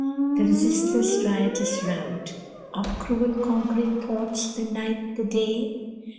The resistless riotous rout Of cruel conquering thoughts, the night, the day?